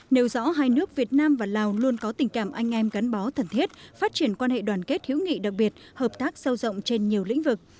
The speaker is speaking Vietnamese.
nêu rõ hai nước việt nam và lào luôn có tình cảm anh em gắn bó thần thiết phát triển quan hệ đoàn kết hữu nghị đặc biệt hợp tác sâu rộng trên nhiều lĩnh vực